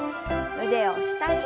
腕を下に。